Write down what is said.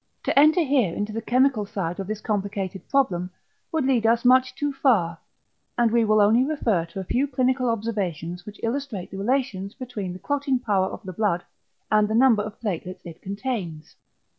To enter here into the chemical side of this complicated problem, would lead us much too far, and we will only refer to a few clinical observations which illustrate the relations between the clotting power of the blood and the number of platelets it contains.